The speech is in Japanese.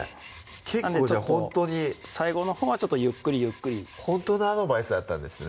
結構ほんとに最後のほうはゆっくりゆっくりほんとのアドバイスだったんですね